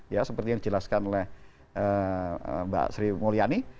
ya seperti yang dijelaskan oleh mbak sri mulyani